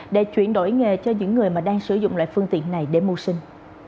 để chuyển đổi nghề cho những người đang sử dụng loại phương tiện này để mua sinh